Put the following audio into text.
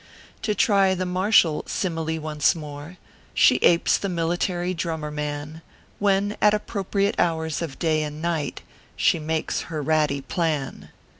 To try the martial simile once more: She apes the military drummer man, "When, at appropriate hours of day and night, She makes her ratty plan.